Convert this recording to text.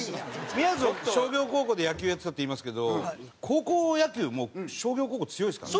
みやぞん商業高校で野球やってたって言いますけど高校野球も商業高校強いですからね。